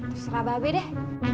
terus lah be deh